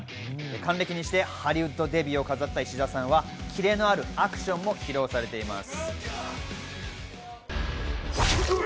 還暦にしてハリウッドデビューを飾った石田さんはキレのあるアクションも披露されています。